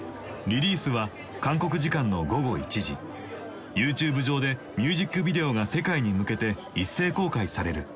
リリースは韓国時間の午後１時ＹｏｕＴｕｂｅ上でミュージックビデオが世界に向けて一斉公開される。